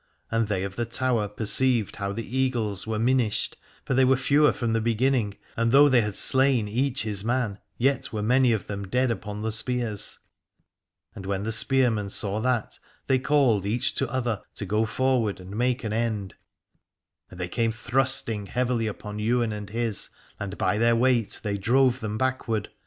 And they of the Tower perceived how the Eagles were minished, for they were fewer from the beginning, and though they had slain each his man, yet were many of them dead upon the spears. And when the spearmen saw that they called each to other to go forward and make an end, and they came thrusting heavily upon Ywain and his, and by their weight they drove them backward.